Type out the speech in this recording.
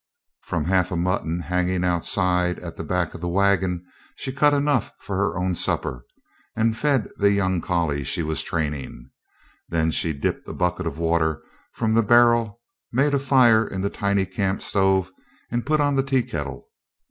From half a mutton hanging outside at the back of the wagon she cut enough for her own supper, and fed the young collie she was training. Then, she dipped a bucket of water from the barrel, made a fire in the tiny camp stove and put on the tea kettle.